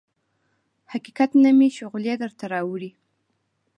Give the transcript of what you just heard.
حقیقت نه مې شغلې درته راوړي